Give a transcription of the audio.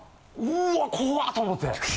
うわ怖っ！と思って。